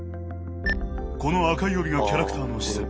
この赤いオビがキャラクターの視線。